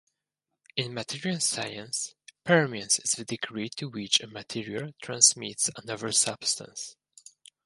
In Materials science, permeance is the degree to which a material transmits another substance.